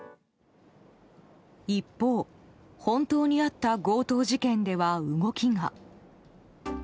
一方、本当にあった強盗事件では動きが。